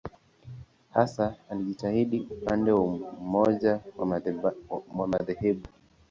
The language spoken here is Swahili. Hasa alijitahidi upande wa umoja wa madhehebu.